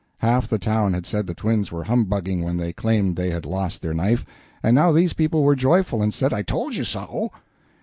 Half the town had said the twins were humbugging when they claimed that they had lost their knife, and now these people were joyful, and said, "I told you so!"